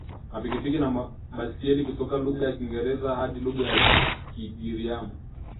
mapikipiki na baiskeli kutoka lugha ya Kiingereza hadi lugha ya Kigiryama